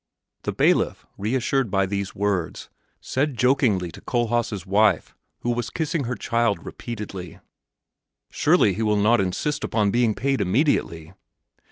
The bailiff, reassured by these words, said jokingly to Kohlhaas' wife, who was kissing her child repeatedly, "Surely he will not insist upon being paid immediately!"